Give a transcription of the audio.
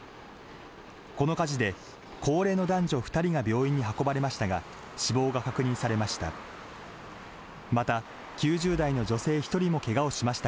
この火事で高齢の男女２人が病院に運ばれましたが、死亡が確認されました。